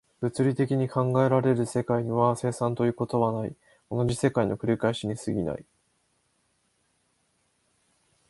物理的に考えられる世界には、生産ということはない、同じ世界の繰り返しに過ぎない。